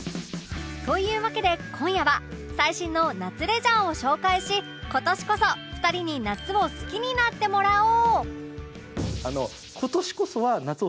というわけで今夜は最新の夏レジャーを紹介し今年こそ２人に夏を好きになってもらおう！